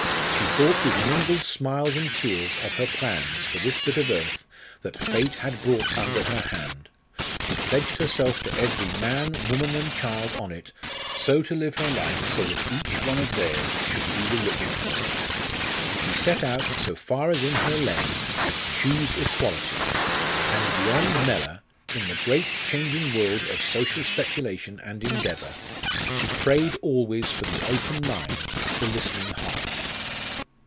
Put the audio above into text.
She thought with mingled smiles and tears of her plans for this bit of earth that fate had brought under her hand; she pledged herself to every man, woman, and child on it so to live her life that each one of theirs should be the richer for it; she set out, so far as in her lay, to "choose equality." And beyond Mellor, in the great changing world of social speculation and endeavour, she prayed always for the open mind, the listening heart.